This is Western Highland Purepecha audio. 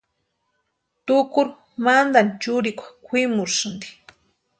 Tukuru mantani chúrikwa kwʼimusïnti.